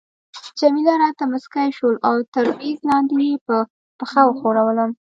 جميله راته مسکی شول او تر میز لاندي يې په پښه وښورولم.